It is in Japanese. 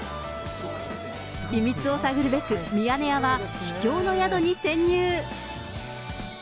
秘密を探るべく、ミヤネ屋は秘境の宿に潜入。